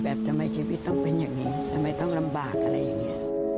ทำไมชีวิตต้องเป็นอย่างนี้ทำไมต้องลำบากอะไรอย่างนี้